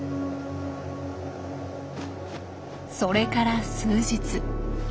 それから数日。